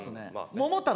「桃太郎」